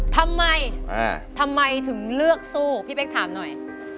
ทำไมทำไมถึงเลือกสู้พี่เป๊กถามหน่อย